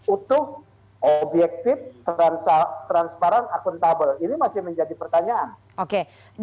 utuh objektif transparan akuntabel